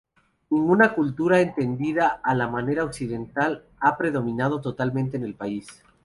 Ninguna cultura, entendida a la manera occidental, ha predominado totalmente en el país.